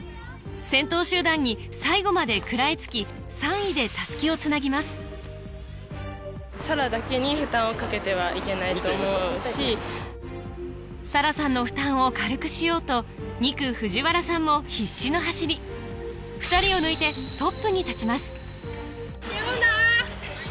先頭集団に最後まで食らいつき３位で襷をつなぎますサラさんの負担を軽くしようと２区藤原さんも必死の走りに立ちます唯奈！